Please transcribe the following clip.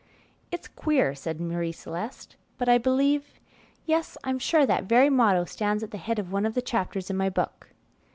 "It's queer," said Marie Celeste, "but I believe yes, I'm sure that very motto stands at the head of one of the chapters in my book."